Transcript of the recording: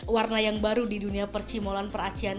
warna yang baru di dunia percimolan peracian